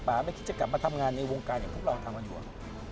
ไม่คิดจะกลับมาทำงานในวงการอย่างพวกเราทำกันอยู่